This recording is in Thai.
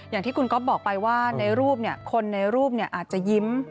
อย่างที่คุณก๊อฟบอกไปว่าในรูปคนในรูปอาจจะยิ้ม